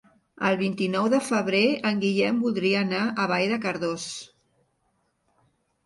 El vint-i-nou de febrer en Guillem voldria anar a Vall de Cardós.